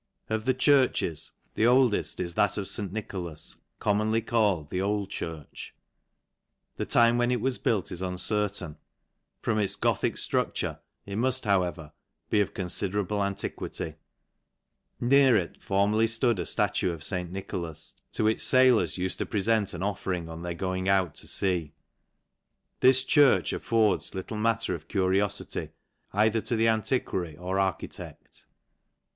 Of the churches, the oldeft is ♦ at of St. Nicholas, commonly called the Old i'urch. The time when it was built is uncertain : i>m its Gothic ftruclure, it mult however be of con N 2 fiderablc 268 LANCASHIR E. fi'derable antiquity. Near it formerly flood a fhtu of St. Nicholas , to which failors ukd to prefer, t a offering on their going out to fea. This churc affords little matter of curiofity either to the ami quary or architect.